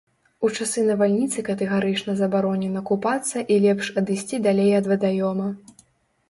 У час навальніцы катэгарычна забаронена купацца і лепш адысці далей ад вадаёма.